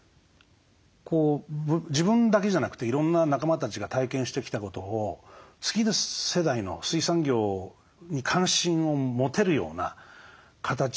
自分だけじゃなくていろんな仲間たちが体験してきたことを次の世代の水産業に関心を持てるような形にしたいですよね。